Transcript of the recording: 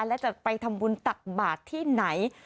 และจะไปทำบุญตักบาทที่ไหน